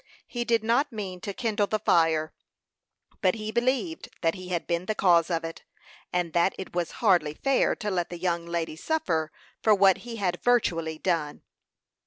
He did not mean to kindle the fire, but he believed that he had been the cause of it, and that it was hardly fair to let the young lady suffer for what he had virtually done.